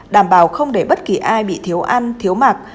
đảm bảo không để bất kỳ ai bị thiếu ăn thiếu mặc